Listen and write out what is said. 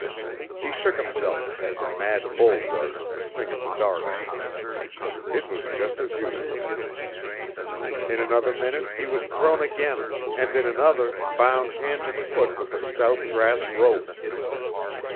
He shook himself as a mad bull does at the sting of the darts. It was just as useless. In another minute he was thrown again, and in another, bound hand and foot with a stout grass rope.